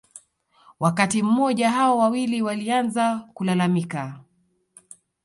Wakati mmoja hao wawili walianza kulalamika